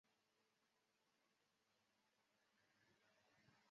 这类测试的测试人往往是厂商的专业车手。